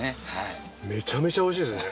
めちゃめちゃ美味しいですね。